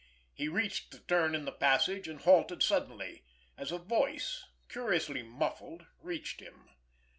He reached the turn in the passage, and halted suddenly, as a voice, curiously muffled, reached him.